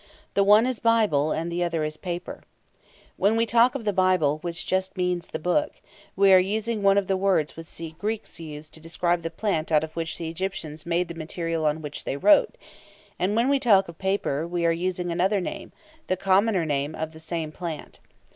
The one is "Bible," and the other is "paper." When we talk of the Bible, which just means "the Book," we are using one of the words which the Greeks used to describe the plant out of which the Egyptians made the material on which they wrote; and when we talk of paper, we are using another name, the commoner name, of the same plant.